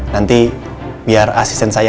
nanti biar asisten saya